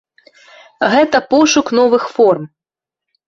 Гэта пошук новых форм.